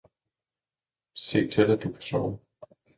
se til at du kan sove!